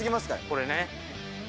これね。